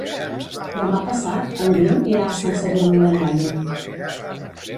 Demà passat en Guim irà a Sant Sadurní d'Anoia.